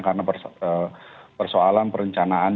karena persoalan perencanaannya